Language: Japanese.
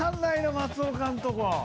松岡んとこ。